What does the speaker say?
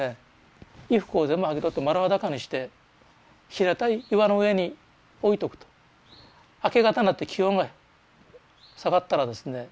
衣服を全部剥ぎ取って丸裸にして平たい岩の上に置いとくと明け方になって気温が下がったらですね